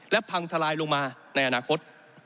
และพังทลายลงมาในอนาคต